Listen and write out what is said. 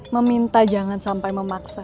meminta jangan sampai memaksa